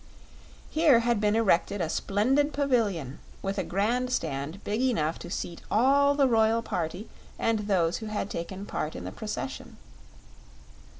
Here had been erected a splendid pavilion, with a grandstand big enough to seat all the royal party and those who had taken part in the procession.